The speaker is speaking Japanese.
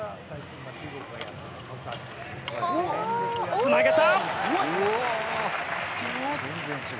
つなげた！